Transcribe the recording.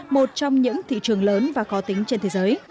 một trong những thị trường lớn và có tính trên thế giới